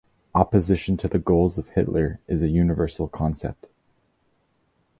Opposition to the goals of Hitler is a universal concept.